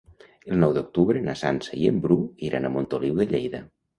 El nou d'octubre na Sança i en Bru iran a Montoliu de Lleida.